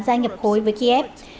gia nhập khối với kiev